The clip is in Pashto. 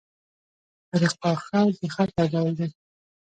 رِقاع خط؛ د خط یو ډول دﺉ.